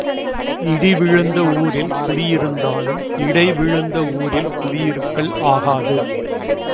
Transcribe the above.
இடி விழுந்த ஊரில் குடி இருந்தாலும் இடை விழுந்த ஊரில் குடியிருக்கல் ஆகாது.